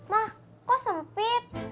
ma kok sempit